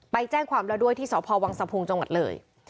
ไปแจ้งความแล้วด้วยที่สพวังสะพุงจังหวัดเลย